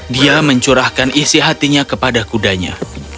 dia mencurahkan isi hatinya kepada kudanya